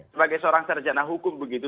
sebagai seorang sarjana hukum begitu